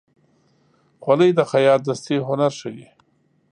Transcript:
خولۍ د خیاط دستي هنر ښيي.